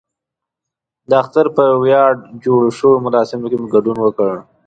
د اختر په ویاړ جوړو شویو مراسمو کې مو ګډون وکړ.